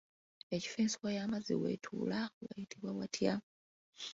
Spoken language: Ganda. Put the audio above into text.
Ekifo ensuwa y’amazzi w’etuula wayitibwa watya?